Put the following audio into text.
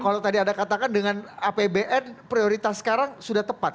kalau tadi anda katakan dengan apbn prioritas sekarang sudah tepat